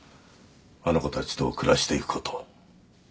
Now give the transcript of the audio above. あの子たちと暮らしていくこと。